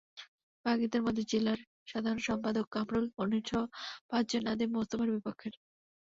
বাকিদের মধ্যে জেলার সাধারণ সম্পাদক কামরুল মনিরসহ পাঁচজন নাদিম মোস্তফার বিপক্ষের।